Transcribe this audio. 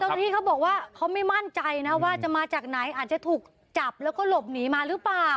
ที่เขาบอกว่าเขาไม่มั่นใจนะว่าจะมาจากไหนอาจจะถูกจับแล้วก็หลบหนีมาหรือเปล่า